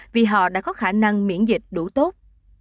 vì họ đã có khả năng miễn dịch đủ tốt